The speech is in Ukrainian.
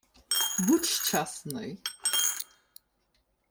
— Будь щасний.